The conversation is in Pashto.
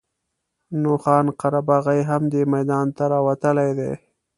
نو خان قره باغي هم دې میدان ته راوتلی دی.